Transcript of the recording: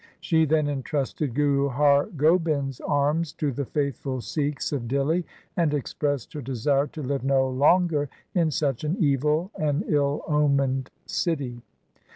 She then entrusted Guru Har Gobind's arms to the faithful Sikhs of Dihli, and expressed her desire to live no longer in such an evil and ill omened city.